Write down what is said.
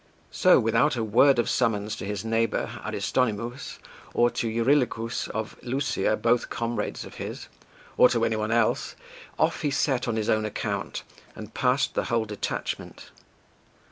So, without a word of summons to his neighbour, Aristonymous, or to Eurylochus of Lusia, both comrades of his, or to any one else, off he set on his own account, and passed the whole detachment.